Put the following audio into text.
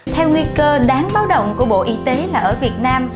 theo nguy cơ đáng báo động của bộ y tế là ở việt nam